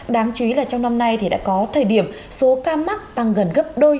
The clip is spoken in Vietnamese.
đáng chú ý là trong năm nay thì đã có thời điểm số ca mắc tăng gần gấp đôi